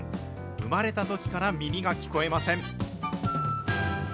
生まれたときから耳が聞こえません。